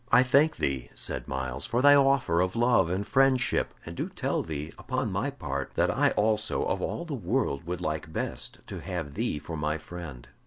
"I thank thee," said Myles, "for thy offer of love and friendship, and do tell thee, upon my part, that I also of all the world would like best to have thee for my friend."